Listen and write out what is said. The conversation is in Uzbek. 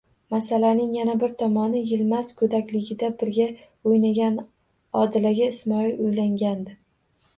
Masalaning yana bir tomoni Yilmaz go'dakligida birga o'ynagan Odilaga Ismoil uylangandi.